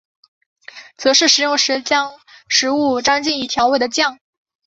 则是食用时把食物蘸进已调味的酱。